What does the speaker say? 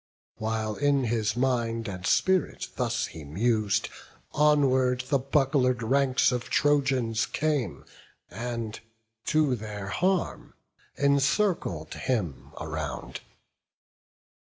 While in his mind and spirit thus he mus'd, Onward the buckler'd ranks of Trojans came, And, to their harm, encircled him around.